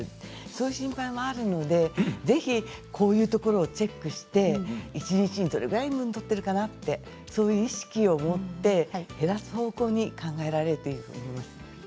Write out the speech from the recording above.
そういう心配もありますので、ぜひこういうところをチェックして一日どれぐらいとったらいいのかということを意識を持って減らす方向に考えられるといいと思います。